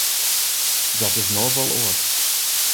Dat is no wol oars.